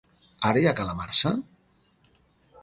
Ara hi ha calamarsa?